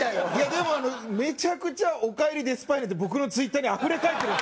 でもめちゃくちゃ「おかえりデスパイネ」って僕のＴｗｉｔｔｅｒにあふれ返って。